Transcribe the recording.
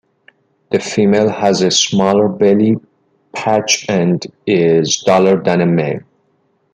The female has a smaller belly patch and is duller than the male.